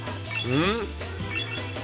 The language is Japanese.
うん。